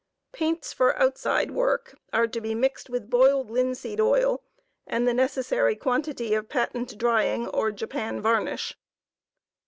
Paints for outside work are to be mixed with boiled linseed oil and the neces sary quantity of patent drying or Japan varnish.